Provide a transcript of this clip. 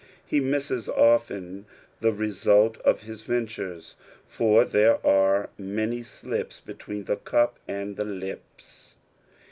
"' He mis°es often the result of his ventures, for there att many slips between the cup and the lina.